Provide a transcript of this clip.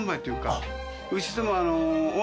うちでも。